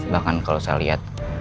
bahkan kalau saya lihat